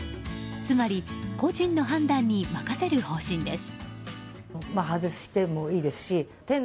つまり個人の判断に任せる方針です。